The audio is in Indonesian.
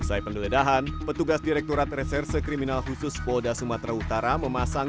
usai penggeledahan petugas direkturat reserse kriminal khusus polda sumatera utara memasang